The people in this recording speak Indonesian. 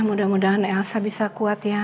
mudah mudahan elsa bisa kuat ya